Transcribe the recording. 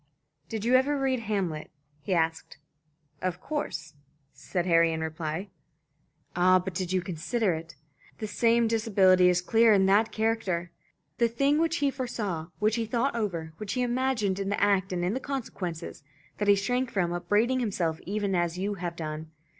"Did you ever read 'Hamlet'?" he asked. "Of course," said Harry, in reply. "Ah, but did you consider it? The same disability is clear in that character. The thing which he foresaw, which he thought over, which he imagined in the act and in the consequence that he shrank from, upbraiding himself even as you have done.